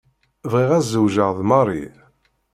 Bɣiɣ ad zewǧeɣ d Mary.